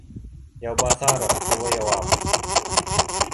— Яубаҫаров тулы яуап